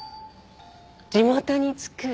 地元に造る。